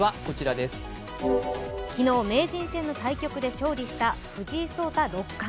昨日、名人戦の対局で勝利した藤井聡太六冠。